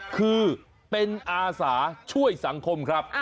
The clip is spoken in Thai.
คือเป็นอาสาช่วยสังคมครับ